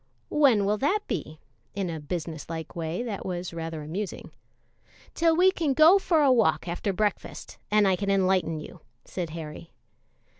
"When will that be?" in a business like way that was rather amusing. "Till we can go for a walk after breakfast, and I can enlighten you," said Harry.